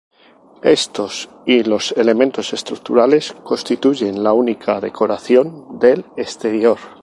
Estos y los elementos estructurales constituyen la única decoración del exterior.